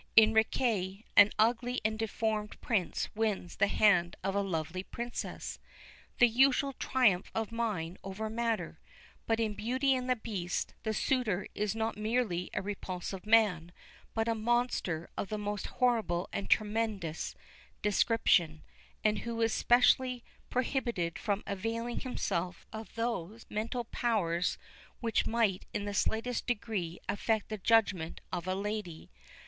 In Riquet, an ugly and deformed prince wins the hand of a lovely princess the usual triumph of mind over matter; but in Beauty and the Beast, the suitor is not merely a repulsive man, but a monster of the most horrible and tremendous description, and who is specially prohibited from availing himself of those mental powers which might in the slightest degree affect the judgment of the lady.